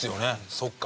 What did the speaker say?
そっか。